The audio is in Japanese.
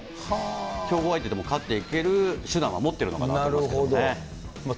強豪相手でも勝っていける手段は持っているのかなと思いますけどなるほど。